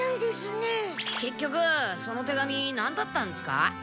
けっきょくその手紙なんだったんですか？